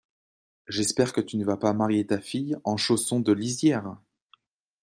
J’espère que tu ne vas pas marier ta fille en chaussons de lisière ?